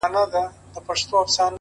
• تا په درد كاتــــه اشــــنــــا،